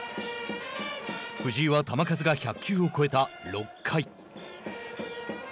藤井は球数が１００球を超えた、６回。